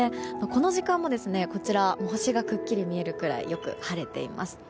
この時間も、こちらは星がくっきり見えるぐらいよく晴れています。